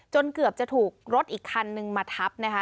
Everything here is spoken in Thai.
เกือบจะถูกรถอีกคันนึงมาทับนะคะ